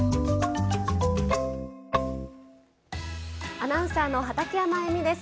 アナウンサーの畠山衣美です。